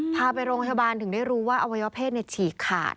พาไปโรงพยาบาลถึงได้รู้ว่าอวัยวะเพศฉีกขาด